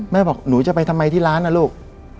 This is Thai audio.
บอกหนูจะไปทำไมที่ร้านนะลูก